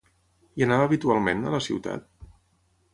Hi anava habitualment, a la ciutat?